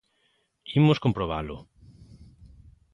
Imos comprobalo.